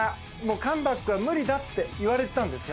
カムバックは無理だっていわれてたんですよ。